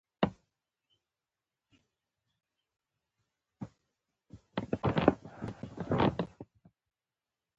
ویل کېږي چې تاجک وو.